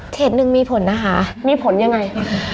หนึ่งมีผลนะคะมีผลยังไง